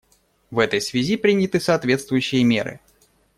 В этой связи приняты соответствующие меры.